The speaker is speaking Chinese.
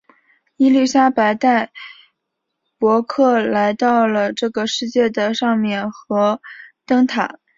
伊丽莎白带伯克来到了这个世界的上面和灯塔。